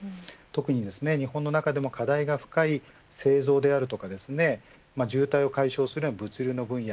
特に、日本中でも課題が深い製造であるとか渋滞を解消する物流の分野